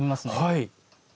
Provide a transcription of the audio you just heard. はい。